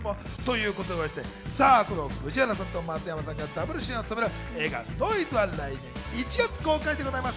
さぁ、この藤原さんと松山さんがダブル主演を務める映画『ノイズ』は来年１月公開です。